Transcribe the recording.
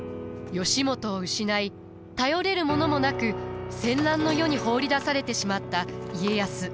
義元を失い頼れるものもなく戦乱の世に放り出されてしまった家康。